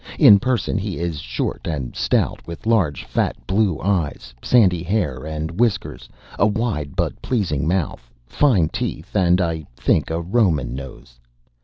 In person, he is short and stout, with large, fat, blue eyes, sandy hair and whiskers, a wide but pleasing mouth, fine teeth, and I think a Roman nose.